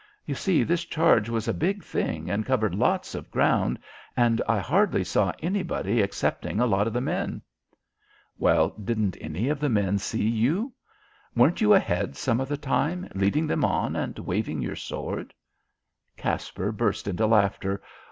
You see, this charge was a big thing and covered lots of ground, and I hardly saw anybody excepting a lot of the men." "Well, but didn't any of the men see you? Weren't you ahead some of the time leading them on and waving your sword?" Caspar burst into laughter.